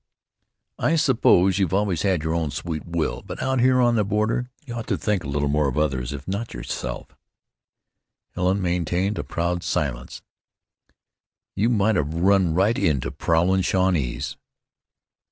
"I suppose you've always had your own sweet will; but out here on the border you ought to think a little of others, if not of yourself." Helen maintained a proud silence. "You might have run right into prowlin' Shawnees."